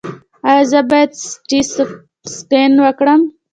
ایا زه باید سټي سکن وکړم؟